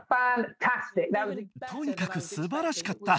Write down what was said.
とにかくすばらしかった。